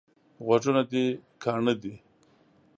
غوږونه دي کاڼه دي؟